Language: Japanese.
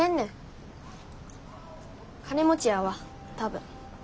金持ちやわ多分。